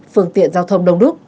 phương tiện giao thông đông nước